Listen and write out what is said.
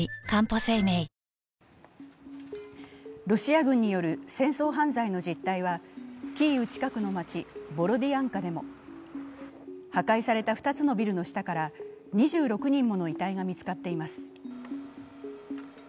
ロシア軍による戦争犯罪の実態はキーウ近くの街ボロディアンカでも破壊された２つのビルの下から２６人もの遺体が見つかっています。